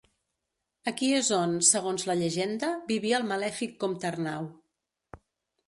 Aquí és on, segons la llegenda, vivia el malèfic comte Arnau.